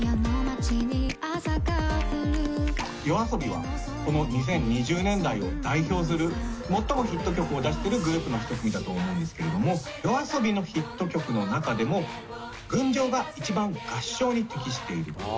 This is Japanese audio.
ＹＯＡＳＯＢＩはこの２０２０年代を代表する、最もヒット曲を出しているグループの１組だと思うんですけれども、ＹＯＡＳＯＢＩのヒット曲の中でも、群青が一番、合唱に適していると。